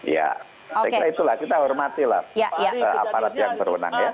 ya saya kira itulah kita hormatilah aparat yang berwenang ya